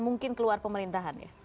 mungkin keluar pemerintahan ya